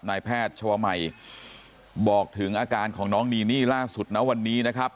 นายแพทย์ชวมัยบอกถึงอาการของน้องนีนี่ล่าสุดนะวันนี้นะครับ